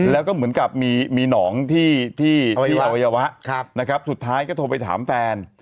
แล้วก็เหมือนกับมีหนองที่อวัยวะนะครับสุดท้ายก็โทรไปถามแฟน